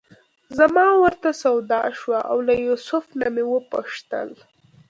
زما ورته سودا شوه او له یوسف نه مې وپوښتل.